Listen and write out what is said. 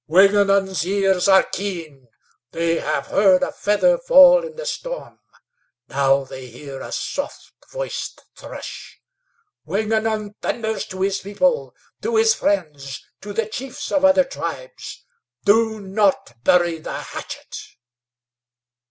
"Wingenund's ears are keen; they have heard a feather fall in the storm; now they hear a soft voiced thrush. Wingenund thunders to his people, to his friends, to the chiefs of other tribes: 'Do not bury the hatchet!'